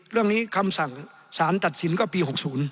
เรื่องนี้คำสั่งสารตัดสินก็ปี๖๐